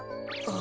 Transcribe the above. あ？